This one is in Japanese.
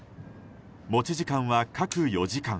持ち時間は各４時間。